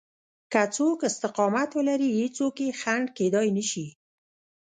که څوک استقامت ولري هېڅوک يې خنډ کېدای نشي.